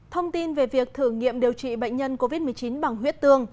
thông tin về việc thử nghiệm điều trị bệnh nhân covid một mươi chín bằng huyết tương